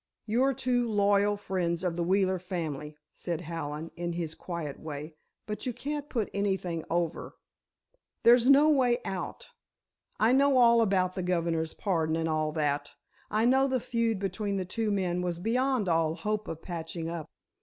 "You're two loyal friends of the Wheeler family," said Hallen in his quiet way, "but you can't put anything over. There's no way out. I know all about the governor's pardon and all that. I know the feud between the two men was beyond all hope of patching up.